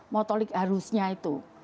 motorik harusnya itu